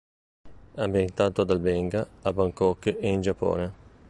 Ambientato ad Albenga, a Bangkok e in Giappone.